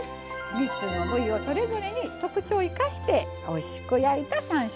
３つの部位をそれぞれに特徴を生かしておいしく焼いた３種盛りになります。